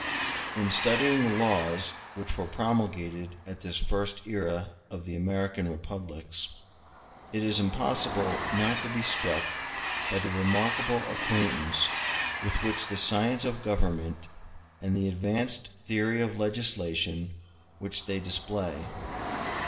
e [ Code of 1650, p. 80.] In studying the laws which were promulgated at this first era of the American republics, it is impossible not to be struck by the remarkable acquaintance with the science of government and the advanced theory of legislation which they display.